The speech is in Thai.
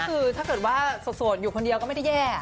คือถ้าเกิดว่าโสดอยู่คนเดียวก็ไม่ได้แย่